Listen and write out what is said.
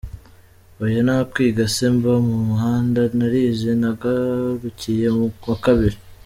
Oya nta kwiga se mba mu muhanda? Narize nagarukiye mu wa kabiri.